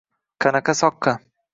Qanaqa soqqa?